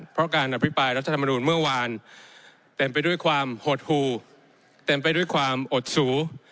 เพราะการอภิปรายรัฐธรรมนูลเมื่อวานเต็มไปด้วยความหดหูเต็มไปด้วยความอดสู